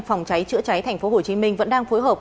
phòng cháy chữa cháy tp hcm vẫn đang phối hợp